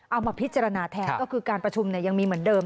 เอามาพิจารณาแทนก็คือการประชุมยังมีเหมือนเดิม